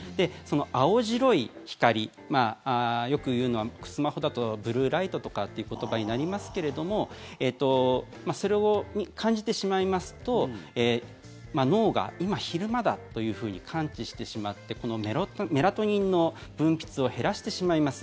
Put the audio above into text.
青白い光よく言うのは、スマホだとブルーライトとかって言葉になりますけどもそれを感じてしまいますと脳が今、昼間だというふうに感知してしまってメラトニンの分泌を減らしてしまいます。